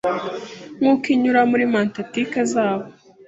nkuko inyura muri mantantike zabo